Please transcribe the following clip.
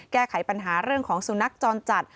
แก้ไขปัญหาเรื่องของสุนัขจรจัด